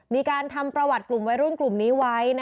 มีการทำประวัติกลุ่มวัยรุ่นกลุ่มนี้ไว้